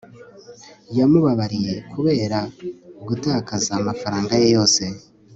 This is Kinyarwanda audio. yamubabariye kubera gutakaza amafaranga ye yose